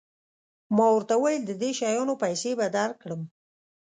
ما ورته وویل د دې شیانو پیسې به درکړم.